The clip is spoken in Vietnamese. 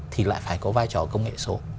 thì lại phải có vai trò công nghệ số